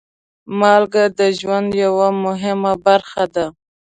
مالګه د ژوند یوه مهمه برخه ده.